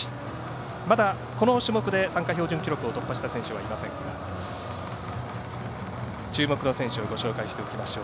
まだこの種目で参加標準記録を突破した選手はいませんが注目の選手をご紹介しておきましょう。